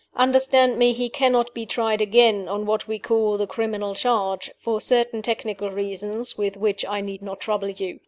Understand me, he cannot be tried again on what we call the criminal charge for certain technical reasons with which I need not trouble you.